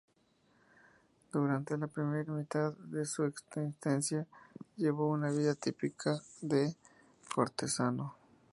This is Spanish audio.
Durante la primera mitad de su existencia, llevó una vida típica de cortesano.